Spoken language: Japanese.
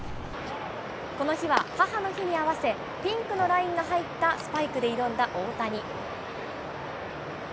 この日は母の日に合わせ、ピンクのラインの入ったスパイクで挑んだ大谷。